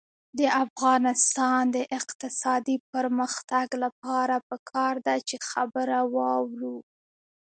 د افغانستان د اقتصادي پرمختګ لپاره پکار ده چې خبره واورو.